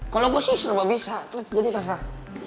kalau gue sisir nggak bisa jadi terserah